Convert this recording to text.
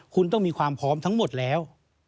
คุณต้องมีความพร้อมทั้งหมดแล้ว